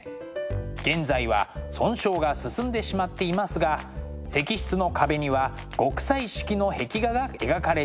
現在は損傷が進んでしまっていますが石室の壁には極彩色の壁画が描かれていました。